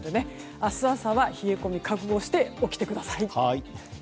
明日朝は、冷え込み覚悟して起きてください。